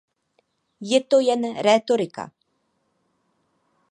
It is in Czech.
Je to jen rétorika?